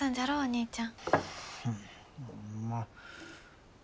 お兄ちゃん。